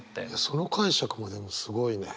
その解釈はでもすごいね。